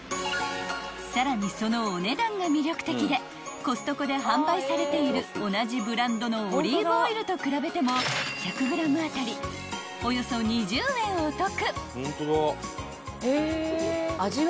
［さらにそのお値段が魅力的でコストコで販売されている同じブランドのオリーブオイルと比べても１００ｇ当たりおよそ２０円お得］